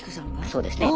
そうですね。